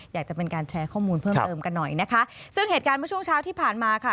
อยากจะเป็นการแชร์ข้อมูลเพิ่มเติมกันหน่อยนะคะซึ่งเหตุการณ์เมื่อช่วงเช้าที่ผ่านมาค่ะ